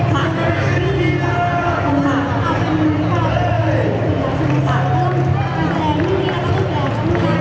ว้าวว้าวว้าวว้าวว้าวว้าวว้าวว้าวว้าวว้าว